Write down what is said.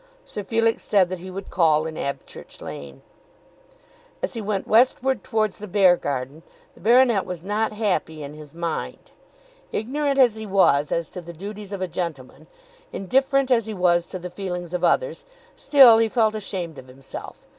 Sir Felix said that he would call in Abchurch Lane. As he went westward towards the Beargarden, the baronet was not happy in his mind. Ignorant as he was as to the duties of a gentleman, indifferent as he was to the feelings of others, still he felt ashamed of himself.